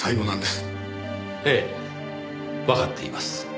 ええわかっています。